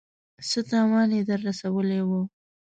څه تاوان يې در رسولی و.